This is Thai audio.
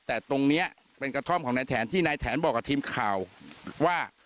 แต่ตรงนี้เป็นกระท่อมของนายแถนที่นายแถนบอกกับทีมข่าวว่า